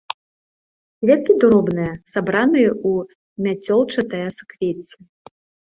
Кветкі дробныя, сабраныя ў мяцёлчатае суквецце.